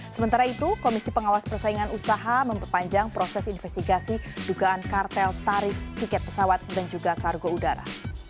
sementara itu komisi pengawas persaingan usaha memperpanjang proses investigasi dugaan kartel tarif tiket pesawat dan juga kargo udara